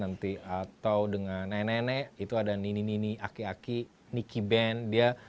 nanti atau dengan nenek nenek itu ada nini nini aki aki niki band